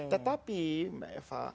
tetapi mbak eva